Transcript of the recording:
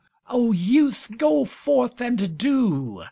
] Oh, youth, go forth and do!